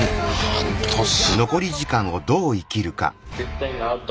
半年。